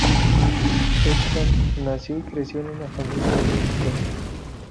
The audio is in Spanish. Edson nació y creció en una familia de músicos.